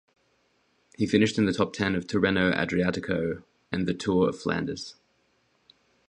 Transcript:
He finished in the top ten of Tirreno-Adriatico and the Tour of Flanders.